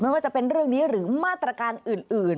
ว่าจะเป็นเรื่องนี้หรือมาตรการอื่น